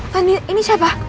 van ini siapa